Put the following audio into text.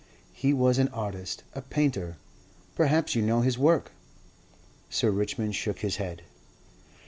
He was an artist, a painter. Perhaps you know his work." Sir Richmond shook his head.